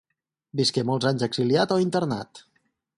Visqué molts anys exiliat o internat.